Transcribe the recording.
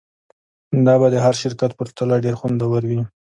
دا به د هغه شرکت په پرتله ډیر خوندور وي